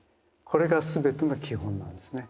これが全ての基本なんですね。